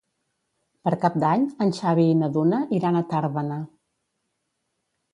Per Cap d'Any en Xavi i na Duna iran a Tàrbena.